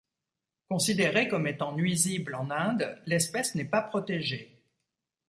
Considérée comme étant nuisible en Inde, l'espèce n'est pas protégée.